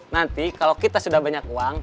nanti kalau kita sudah banyak uang